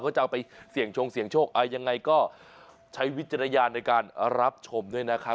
จะเอาไปเสี่ยงชงเสี่ยงโชคยังไงก็ใช้วิจารณญาณในการรับชมด้วยนะครับ